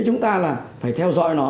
chúng ta là phải theo dõi nó